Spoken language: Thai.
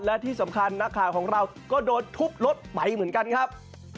และที่สำคัญนักข่าวของเราก็โดนทุบรถไปเหมือนกันครับ